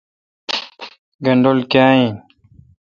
گنڈول کاں این